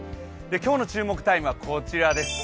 今日の注目タイムはこちらです。